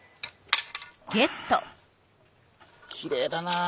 きれいだなあ。